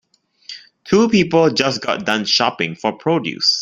Two people just got done shopping for produce.